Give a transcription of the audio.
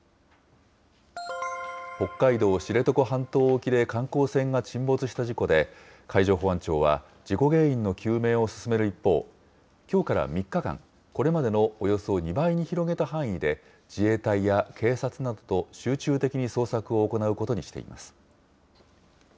北海道知床半島沖で観光船が沈没した事故で、海上保安庁は、事故原因の究明を進める一方、きょうから３日間、これまでのおよそ２倍に広げた範囲で、自衛隊や警察などと集中的に捜索を行うことにしています。